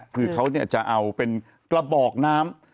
คือเขาจะเอาเป็นกระบอกน้ำ